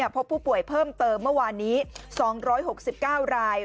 พบผู้ป่วยเพิ่มเติมเมื่อวานนี้๒๖๙ราย